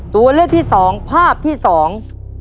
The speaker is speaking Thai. ตัวเลือกที่สองภาพที่สอง